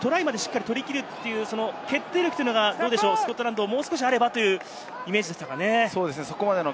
トライまで取り切るという、決定力というのがスコットランドにもう少しあればというイメージでしたかね、これまでは。